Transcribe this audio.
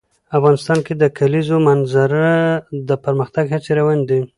افغانستان کې د د کلیزو منظره د پرمختګ هڅې روانې دي.